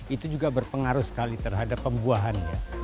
itu juga berpengaruh sekali terhadap pembuahannya